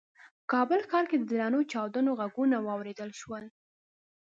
کابل ښار کې د درنو چاودنو غږونه واورېدل شول.